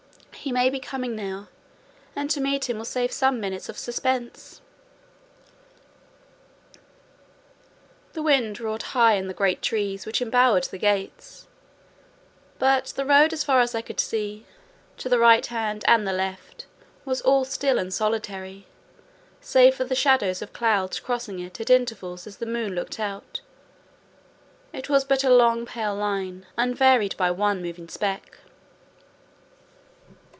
He may be coming now, and to meet him will save some minutes of suspense." The wind roared high in the great trees which embowered the gates; but the road as far as I could see, to the right hand and the left, was all still and solitary: save for the shadows of clouds crossing it at intervals as the moon looked out, it was but a long pale line, unvaried by one moving speck.